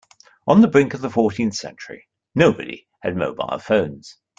On the brink of the fourteenth century, nobody had mobile phones.